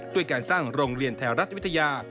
ด้วยการสร้างโรงเรียนแถวรัฐวิทยา